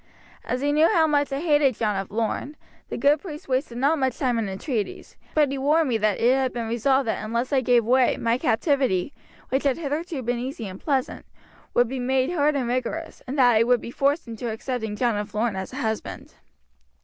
As he knew how much I hated John of Lorne, the good priest wasted not much time in entreaties; but he warned me that it had been resolved that unless I gave way my captivity, which had hitherto been easy and pleasant, would be made hard and rigorous, and that I would be forced into accepting John of Lorne as a husband.